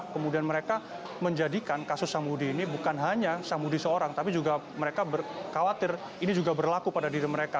kemudian mereka menjadikan kasus samudi ini bukan hanya samudi seorang tapi juga mereka khawatir ini juga berlaku pada diri mereka